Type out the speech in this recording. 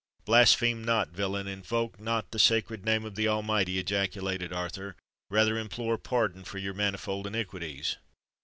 "Blaspheme not, villain!—invoke not the sacred name of the Almighty!" ejaculated Arthur. "Rather implore pardon for your manifold iniquities!"